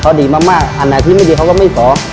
เขาดีมากอันไหนที่ไม่ดีเขาก็ไม่ขอ